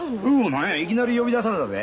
何やいきなり呼び出されたで。